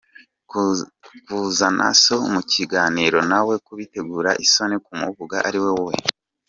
Kuzana So mu kiganiro nawe bigutera isoni kumuvuga ari wowe!?